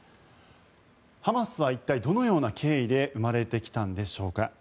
ハマスは一体どのような経緯で生まれてきたんでしょうか。